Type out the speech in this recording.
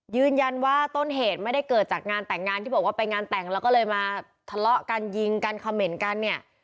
ยืนยันว่าต้นเหตุไม่ได้เกิดจากงานแต่งงานที่บอกว่าไปงานแต่งแล้วก็เลยมาทะเลาะกันยิงกันเขม่นกันเนี่ย